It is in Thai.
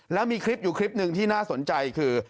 แล้วมีคลิปอยู่คลิปหนึ่งที่น่าสนใจคือ